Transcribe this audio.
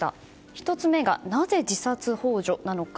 １つ目が、なぜ自殺幇助なのか。